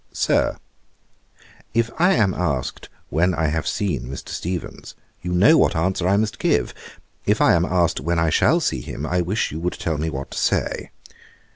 'Sir, 'If I am asked when I have seen Mr. Steevens, you know what answer I must give; if I am asked when I shall see him, I wish you would tell me what to say.